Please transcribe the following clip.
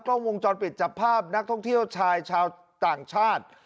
กล้องวงจรปิดจับภาพนักท่องเที่ยวชายชาวต่างชาติ